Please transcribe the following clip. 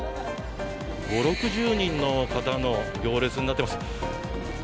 ５０６０人の方の行列になっています。